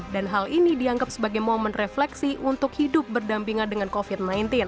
dan hal ini dianggap sebagai momen refleksi untuk hidup berdampingan dengan covid sembilan belas